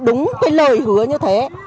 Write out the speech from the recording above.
đúng cái lời hứa như thế